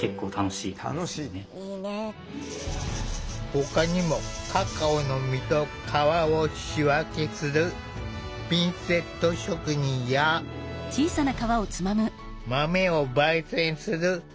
ほかにもカカオの実と皮を仕分けするピンセット職人や豆をばい煎するロースト職人。